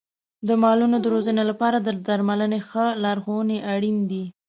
د مالونو د روزنې لپاره د درملنې ښه لارښونې اړین دي.